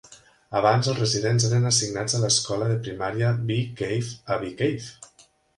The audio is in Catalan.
Abans, els residents eren assignats a l'escola de primària Bee Cave a Bee Cave.